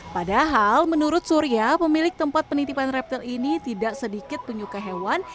padahal menurut surya pemilik tempat penitipan reptil ini tidak sedikit penyuka hewan